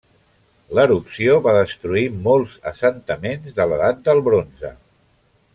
L'erupció va destruir molts assentaments de l'edat del bronze.